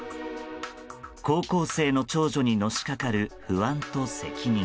高校生の長女にのしかかる不安と責任。